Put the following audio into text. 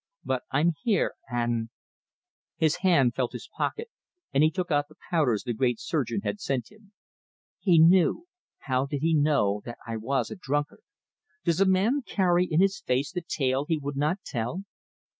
But I'm here, and " His hand felt his pocket, and he took out the powders the great surgeon had sent him. "He knew how did he know that I was a drunkard? Does a man carry in his face the tale he would not tell?